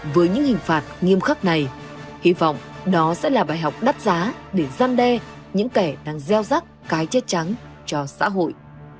với những hình phạt nghiêm khắc này hy vọng đó sẽ là bài học đắt giá để gian đe những kẻ đang gieo rắc cái chết trắng cho xã hội